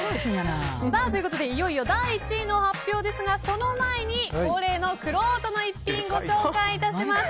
いよいよ第１位の発表ですが、その前に恒例のくろうとの逸品ご紹介いたします。